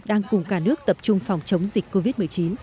đang cùng cả nước tập trung phòng chống dịch covid một mươi chín